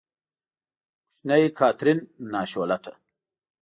کوچنۍ کاترین، ناشولته!